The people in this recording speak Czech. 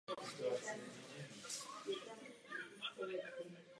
Víte velmi dobře, že celá záležitost není dosud vyřešená.